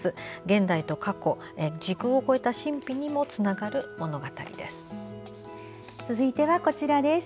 現代と過去、時空を超えた神秘にも、つながる物語です。